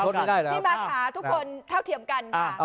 พี่ม้าค่ะทุกคนเท่าเทียมกันค่ะ